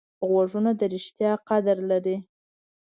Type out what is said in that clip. غوږونه د ریښتیا قدر لري